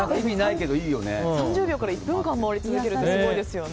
３０秒から１分間回り続けるってすごいですよね。